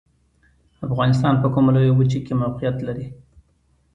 افغانستان په کومه لویه وچې کې موقعیت لري؟